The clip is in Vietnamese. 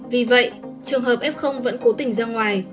vì vậy trường hợp f vẫn cố tình ra ngoài